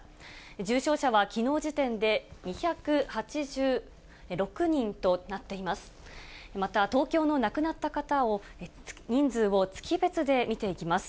重症者はきのう時点で２８６人となっています。